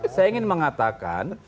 saya ingin mengatakan